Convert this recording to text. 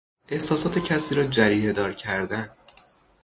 احساسات کسی را جریحهدار کردن